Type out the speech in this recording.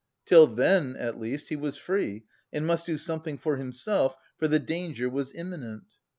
Till then, at least, he was free and must do something for himself, for the danger was imminent.